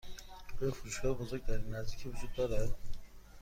آیا فروشگاه بزرگ در این نزدیکی وجود دارد؟